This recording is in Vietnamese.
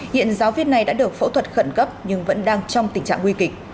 hiện giáo viên này đã được phẫu thuật khẩn cấp nhưng vẫn đang trong tình trạng nguy kịch